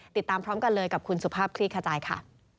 ติดตามพร้อมกันเลยกับคุณสุภาพคลี่ขจายค่ะ